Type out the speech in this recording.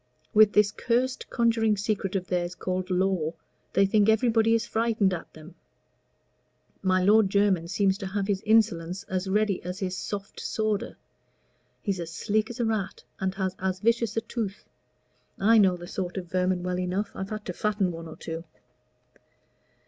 With this cursed conjuring secret of theirs called Law, they think everybody is frightened at them. My Lord Jermyn seems to have his insolence as ready as his soft sawder. He's as sleek as a rat, and has as vicious a tooth. I know the sort of vermin well enough. I've helped to fatten one or two."